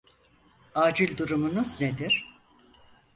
Acil durumunuz nedir?